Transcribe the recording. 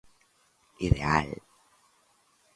Ideal.